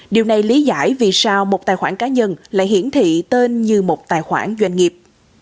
điều này lý giải vì sao một tài khoản cá nhân lại hiển thị tên như một tài khoản doanh nghiệp